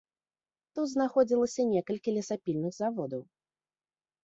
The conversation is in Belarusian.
Тут знаходзілася некалькі лесапільных заводаў.